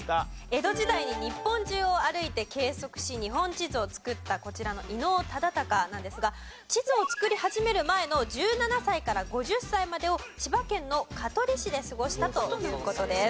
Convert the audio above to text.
江戸時代に日本中を歩いて計測し日本地図を作ったこちらの伊能忠敬なんですが地図を作り始める前の１７歳から５０歳までを千葉県の香取市で過ごしたという事です。